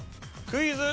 クイズ。